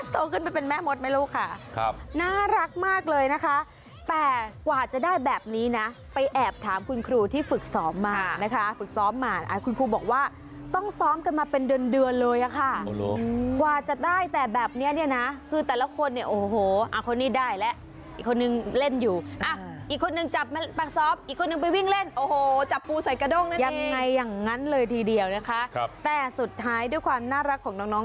โตขึ้นไปเป็นแม่มดไหมลูกค่ะครับน่ารักมากเลยนะคะแต่กว่าจะได้แบบนี้นะไปแอบถามคุณครูที่ฝึกซ้อมมานะคะฝึกซ้อมมาคุณครูบอกว่าต้องซ้อมกันมาเป็นเดือนเลยค่ะกว่าจะได้แต่แบบนี้เนี่ยนะคือแต่ละคนเนี่ยโอ้โหคนนี้ได้แล้วอีกคนนึงเล่นอยู่อีกคนนึงจับไปซ้อมอีกคนนึงไปวิ่งเล่นโอ้โหจับปูใส่กระด้งนั่น